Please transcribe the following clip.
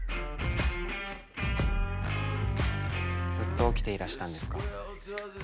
ずっと起きていらしたんですか？